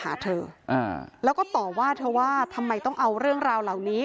หาเธออ่าแล้วก็ต่อว่าเธอว่าทำไมต้องเอาเรื่องราวเหล่านี้